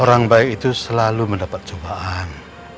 orang baik itu selalu mendapat cobaan